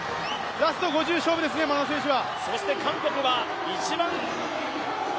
ラスト５０勝負ですね、眞野選手は。